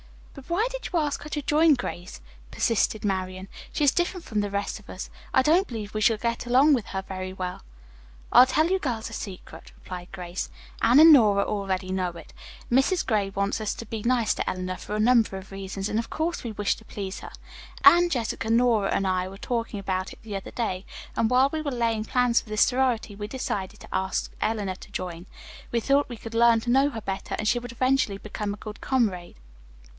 "But why did you ask her to join, Grace?" persisted Marian. "She is different from the rest of us. I don't believe we shall get along with her very well." "I'll tell you girls a secret," replied Grace. "Anne and Nora already know it. Mrs. Gray wants us to be nice to Eleanor for a number of reasons, and, of course, we wish to please her. Anne, Jessica, Nora and I were talking about it the other day, and while we were laying plans for this sorority, we decided to ask Eleanor to join. We thought we could learn to know her better, and she would eventually become a good comrade."